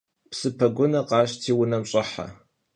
Psı pegunır khaşti vunem ş'ehe.